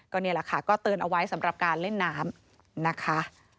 นี่แหละค่ะก็เตือนเอาไว้สำหรับการเล่นน้ำนะคะ